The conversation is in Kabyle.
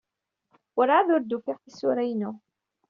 Werɛad ur d-ufiɣ tisura-inu.